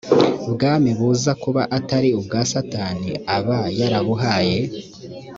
bwami buza kuba atari ubwa satani aba yarabuhaye